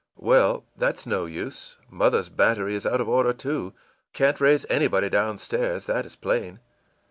ìWell, that's no use. Mother's battery is out of order, too. Can't raise anybody down stairs that is plain.